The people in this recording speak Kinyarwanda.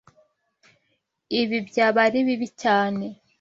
Ibi byaba ari bibi cyane.